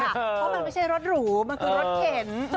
เพราะมันไม่ใช่รถหรูมันคือรถเข็น